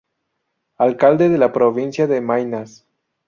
Alcalde de la Provincia de Maynas.